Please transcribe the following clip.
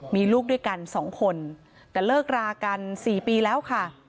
มีลูกด้วยกันสองคนแต่เลิกรากัน๔ปีแล้วค่ะ